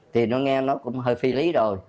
thì nó nghe nó cũng hơi phi lý rồi